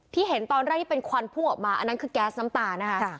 เห็นตอนแรกที่เป็นควันพุ่งออกมาอันนั้นคือแก๊สน้ำตานะคะ